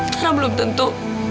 karena belum tentu